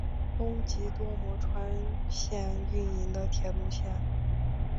东急多摩川线营运的铁路线。